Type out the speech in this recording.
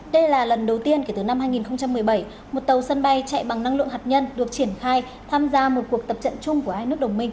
đây là lần đầu tiên kể từ năm hai nghìn một mươi bảy một tàu sân bay chạy bằng năng lượng hạt nhân được triển khai tham gia một cuộc tập trận chung của hai nước đồng minh